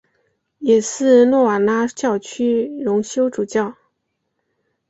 也是诺瓦拉教区荣休主教。